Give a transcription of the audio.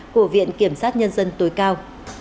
của viện kiểm sát nhân dân tối cao